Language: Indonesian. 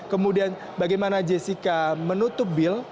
kemudian bagaimana jessica menutup bil